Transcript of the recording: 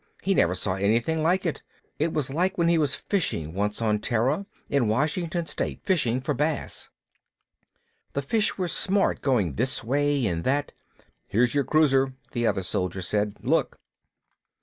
He never saw anything like it. It was like when he was fishing once on Terra, in Washington State, fishing for bass. The fish were smart, going this way and that " "Here's your cruiser," the other soldier said. "Look!"